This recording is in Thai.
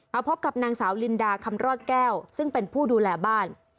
เอาพบกับนางสาวลินดาคำรอดแก้วซึ่งเป็นผู้ดูแลบ้าน